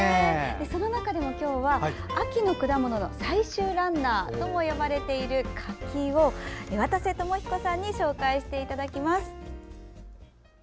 その中でも今日は秋の果物の最終ランナーとも呼ばれている柿を渡瀬智彦さんに紹介していただきます。